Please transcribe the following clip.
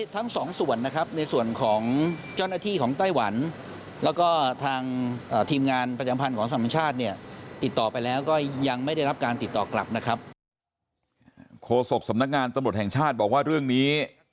สำนักงานตำรวจแห่งชาติบอกว่าเรื่องนี้